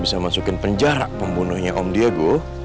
kita masukin penjarak pembunuhnya om diego